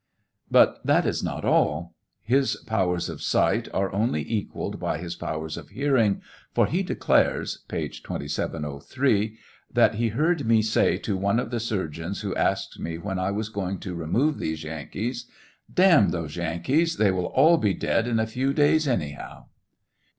But that is not all His powers of sight are only equalled by his powers of hearing, for he declares (page 2703) that he heard me say to one of the surgeons who asked me when I was going to remove these Yankees :" Damn those Yan kees ; they will all be dead in a, few days anyhow."